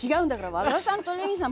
和田さんとレミさん